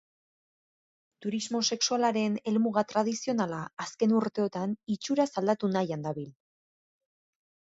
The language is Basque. Turismo sexualaren helmuga tradizionala, azken urteotan itxuraz aldatu nahian dabil.